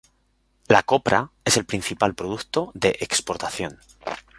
La copra es el principal producto de exportación.